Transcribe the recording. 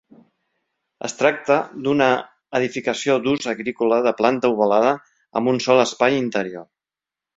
Es tracta d'una edificació d'ús agrícola de planta ovalada, amb un sol espai interior.